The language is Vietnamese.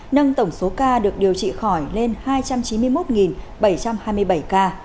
nâng tổng số ca được điều trị khỏi lên hai trăm chín mươi một bảy trăm hai mươi bảy ca